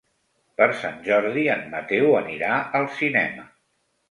Per Sant Jordi en Mateu anirà al cinema.